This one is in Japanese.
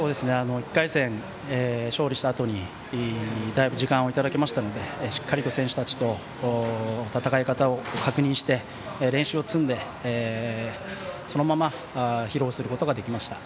１回戦、勝利したあとにだいぶ時間をいただきましたのでしっかりと選手たちと戦い方を確認して練習を積んで、そのまま披露することができました。